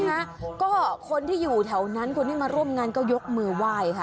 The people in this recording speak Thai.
นะฮะก็คนที่อยู่แถวนั้นคนที่มาร่วมงานก็ยกมือไหว้ค่ะ